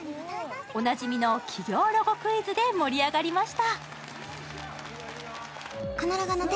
おなじみの企業ロゴクイズで盛り上がりました。